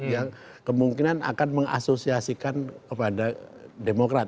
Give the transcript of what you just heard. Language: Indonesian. yang kemungkinan akan mengasosiasikan kepada demokrat